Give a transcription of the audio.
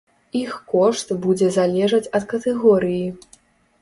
Іх кошт будзе залежаць ад катэгорыі.